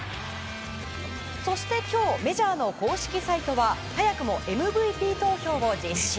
そして今日メジャーの公式サイトは早くもＭＶＰ投票を実施。